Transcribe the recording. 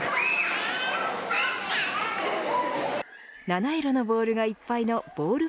七色のボールがいっぱいのボール